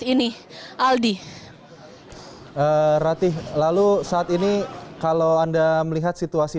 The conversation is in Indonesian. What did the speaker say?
prozent perangkan terhadap timootes yang booed oleh sideways